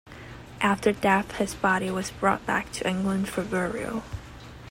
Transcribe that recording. After death his body was brought back to England for burial.